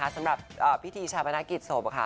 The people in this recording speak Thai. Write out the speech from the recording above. สำหรับพิธีชาวบะนาคิดโสม